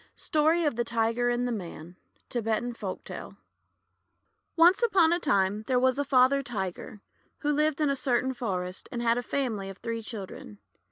STORY OF THE TIGER AND THE MAN Tibetan Folktale » ONCE upon a time, there was a Father Tiger who lived in a certain forest, and had a family of three children.